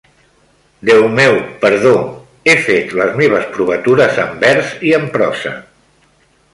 Déu me perdó!, he fet les meves provatures en vers i en prosa.